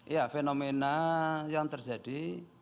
ya fenomena yang terjadi